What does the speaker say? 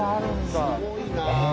すごいなぁ。